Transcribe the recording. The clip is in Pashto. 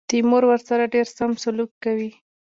تیمور ورسره ډېر سم سلوک کوي.